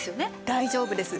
大丈夫です。